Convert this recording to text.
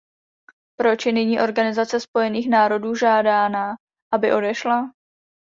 Proč je nyní Organizace spojených národů žádána, aby odešla?